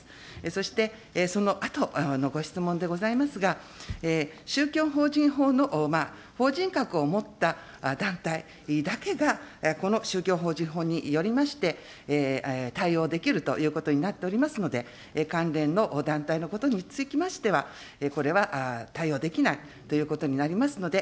そしてそのあとのご質問でございますが、宗教法人法の法人格を持った団体だけがこの宗教法人法によりまして、対応できるということになっておりますので、関連の団体のことにつきましては、これは対応できないということになりますので、